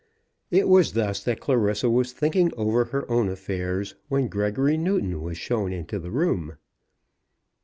It was thus that Clarissa was thinking over her own affairs when Gregory Newton was shown into the room.